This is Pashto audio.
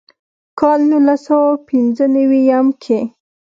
کال نولس سوه پينځۀ نوي يم کښې